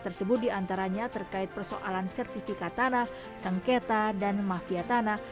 tersebut diantaranya terkait persoalan sertifikat tanah sengketa dan mafia tanah